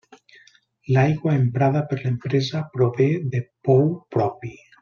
L'aigua emprada per l'empresa prové de pou propi.